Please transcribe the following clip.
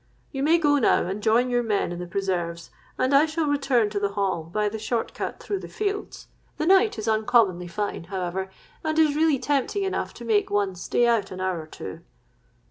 You may now go and join your men in the preserves; and I shall return to the Hall, by the short cut through the fields. The night is uncommonly fine, however, and is really tempting enough to make one stay out an hour or two.'